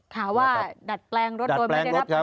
ข่าวว่าดัดแปลงรถโดยไม่ได้รับอนุญาต